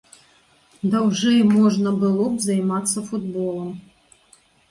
Даўжэй можна было б займацца футболам.